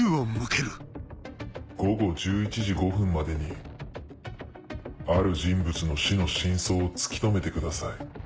午後１１時５分までにある人物の死の真相を突き止めてください。